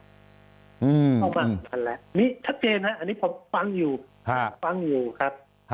เข้ามากันแล้วนี่ทักเจนครับอันนี้ผมฟังอยู่ครับ